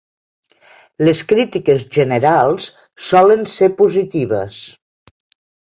Les crítiques generals solen ser positives.